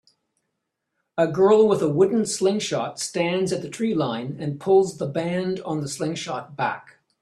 A girl with a wooden slingshot stands at the tree line and pulls the band on the slingshot back